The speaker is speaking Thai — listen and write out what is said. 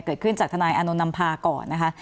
เกิดขึ้นจากธนายอนุนัมภาก่อนนะคะ